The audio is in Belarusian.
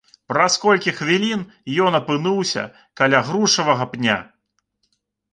Праз колькі хвілін ён апынуўся каля грушавага пня.